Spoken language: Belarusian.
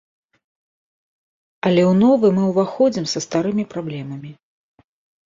Але ў новы мы ўваходзім са старымі праблемамі.